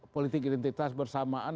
politik identitas bersamaan